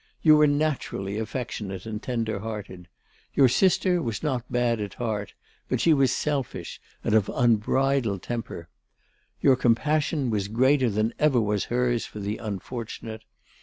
You were naturally affectionate and tender hearted. Your sister was not bad at heart; but she was selfish and of unbridled temper. Your compassion was greater than ever was hers for the unfortunate.